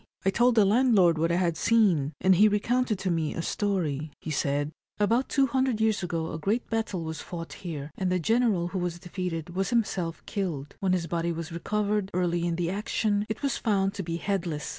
I told the landlord what I had seen, and he recounted to me a story. He said :" About 200 years ago a great battle was fought here, and the general who was defeated was himself killed. When his body was recovered, early in the action, it was found to be headless.